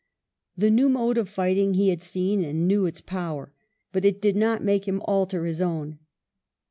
The new mode of fighting he had seen and knew its power, but it did not make him alter his own.